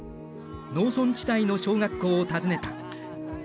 農村地帯の小学校を訪ねた。